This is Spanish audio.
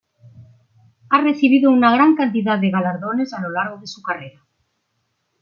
Ha recibido una gran cantidad de galardones a lo largo de su carrera.